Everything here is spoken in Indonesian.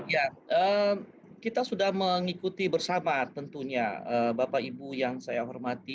ya kita sudah mengikuti bersama tentunya bapak ibu yang saya hormati